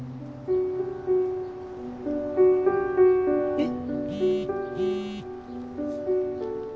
えっ？